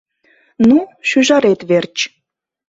Ну, шӱжарет верч.